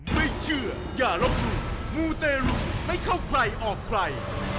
แม่เธอร้องหรือหลุมมูเตรุไม่เข้าใกล้ออกใกล้